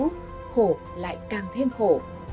khổ lại càng thêm khổ